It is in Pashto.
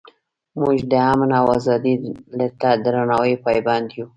موږ د امن او ازادۍ ته درناوي پابند یو.